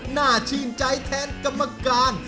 หน้าชีนใจแทนกรรมการ